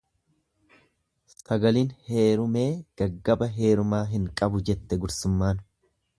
"""Sagalin heerumee, gaggaba heerumaa hin qabu"" jette gursummaan."